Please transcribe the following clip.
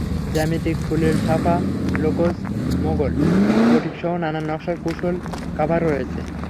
জ্যামিতিক, ফুলেল ছাপা, লোকজ, মোগল, বাটিকসহ নানান নকশার কুশন কাভার রয়েছে।